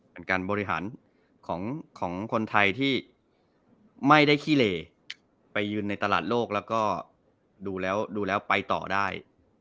เป็นการบริหารของคนไทยที่ไม่ได้ขี้เหลไปยืนในตลาดโลกแล้วก็ดูแล้วดูแล้วไปต่อได้